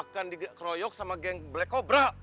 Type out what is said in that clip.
dia akan dikeroyok sama geng black cobra